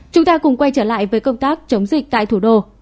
chúng ta cùng quay trở lại với công tác chống dịch tại thủ đô